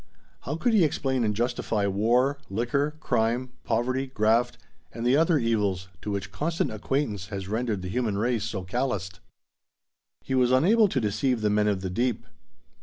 How could he explain and justify war, liquor, crime, poverty, graft, and the other evils to which constant acquaintance has rendered the human race so calloused? He was unable to deceive the men of the deep.